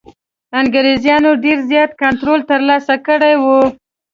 انګرېزانو ډېر زیات کنټرول ترلاسه کړی وو.